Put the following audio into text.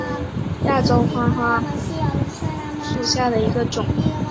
亚洲花花介为细花介科花花介属下的一个种。